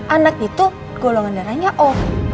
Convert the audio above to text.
anak itu golongan darahnya oh